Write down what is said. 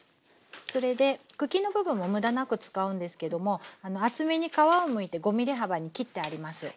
それで茎の部分も無駄なく使うんですけども厚めに皮をむいて５ｍｍ幅に切ってあります。